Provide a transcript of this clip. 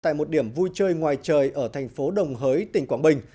tại một điểm vui chơi ngoài trời ở thành phố đồng hới tỉnh quảng bình